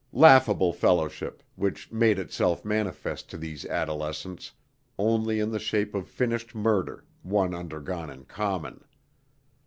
Laughable fellowship, which made itself manifest to these adolescents only in the shape of finished murder, one undergone in common!